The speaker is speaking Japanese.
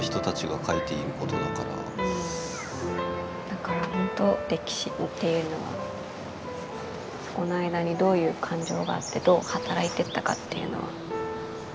だから本当歴史っていうのはそこの間にどういう感情があってどう働いてったかっていうのは。